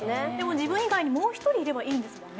自分以外にもう１人いればいいんですね？